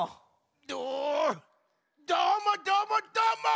どどーもどーもどーも！